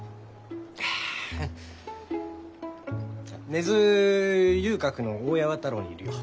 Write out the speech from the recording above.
根津遊郭の大八幡楼にいるよ。